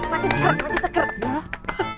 masih sekret masih sekret